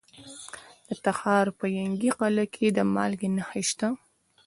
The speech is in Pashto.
د تخار په ینګي قلعه کې د مالګې نښې شته.